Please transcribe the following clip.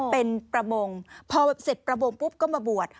เป็นประมงพอเสร็จประมงปุ๊บก็มาบวช